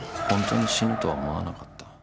本当に死ぬとは思わなかった。